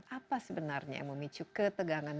apa sebenarnya yang memicu ketegangan